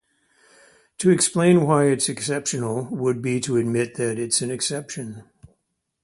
To explain why it's exceptional would be to admit that it's an exception.